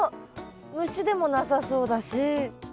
虫でもなさそうだし。